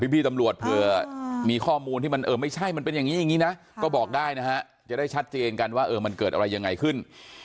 พี่ตำรวจเผื่อมีข้อมูลที่มันเออไม่ใช่มันเป็นอย่างนี้อย่างนี้นะก็บอกได้นะฮะจะได้ชัดเจนกันว่ามันเกิดอะไรยังไงขึ้น